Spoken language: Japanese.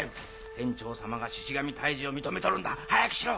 天朝様がシシ神退治を認めとるんだ早くしろ！